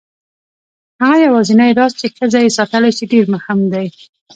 هغه یوازینی راز چې ښځه یې ساتلی شي ډېر مهم دی.